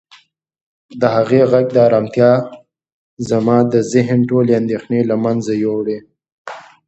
د هغې د غږ ارامتیا زما د ذهن ټولې اندېښنې له منځه یووړې.